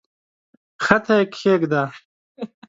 کښته یې کښېږده!